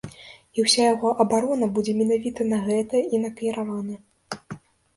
І ўся яго абарона будзе менавіта на гэта і накіравана.